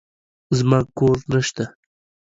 زما کور نشته.